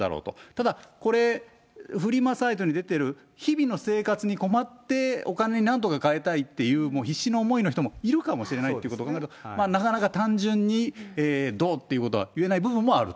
ただ、これ、フリマサイトに出てる、日々の生活に困って、お金になんとかかえたいという必死の思いの人もいるかもしれないっていうことを考えると、なかなか単純にどうっていうことは言えない部分もあると。